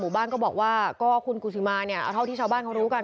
บ้านก็บอกว่าก็คุณกุศิมาเนี่ยเอาเท่าที่ชาวบ้านเขารู้กัน